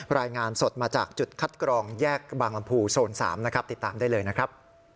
รายงานสดมาจากจุดคัดกรองแยกบางลำพูโซน๓นะครับติดตามได้เลยนะครับ